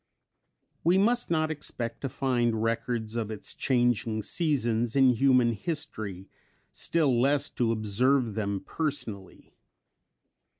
We must not expect to find records of its changing seasons in human history, still less to observe them personally.